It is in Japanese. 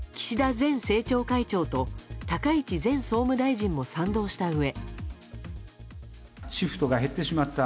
前政調会長と高市前総務大臣も賛同したうえ。